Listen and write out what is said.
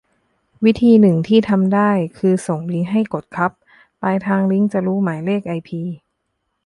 วิธีนึงที่ทำได้คือส่งลิงก์ให้กดครับ ปลายทางลิงก์จะรู้หมายเลขไอพี